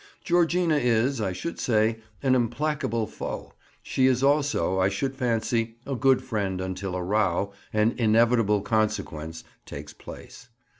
Georgina is, I should say, an implacable foe; she is also, I should fancy, a good friend until a row—an inevitable consequence—takes place.